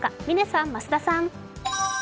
嶺さん、増田さん。